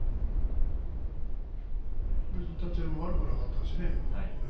別に立ち合いも悪くなかったしね。